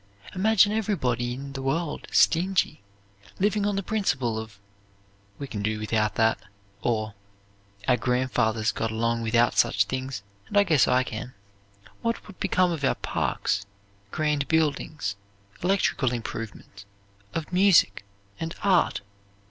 Imagine everybody in the world stingy, living on the principle of "We can do without that," or "Our grandfathers got along without such things, and I guess I can." What would become of our parks, grand buildings, electrical improvements; of music and art?